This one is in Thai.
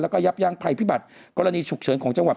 แล้วก็ยับยั้งภัยพิบัติกรณีฉุกเฉินของจังหวัด